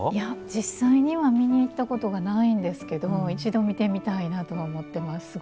実際には見に行ったことがないんですけど一度、見てみたいとは思ってます。